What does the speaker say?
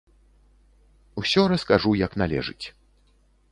Усё раскажу як належыць.